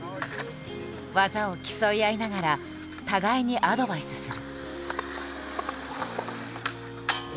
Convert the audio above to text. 技を競い合いながら互いにアドバイスする。